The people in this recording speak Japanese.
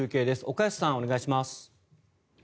岡安さん、お願いします。